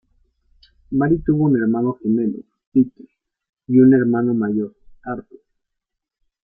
Mary tuvo un hermano gemelo, Peter, y un hermano mayor, Arthur.